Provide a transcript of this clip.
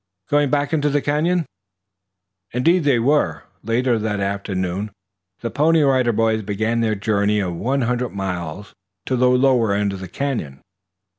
Going back into the Canyon?" Indeed they were. Late that afternoon the Pony Rider Boys began their journey of one hundred miles to the lower end of the Canyon.